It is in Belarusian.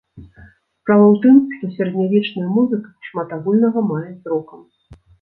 Справа ў тым, што сярэднявечная музыка шмат агульнага мае з рокам.